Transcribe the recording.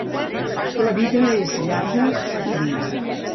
La vida és llarga i dura.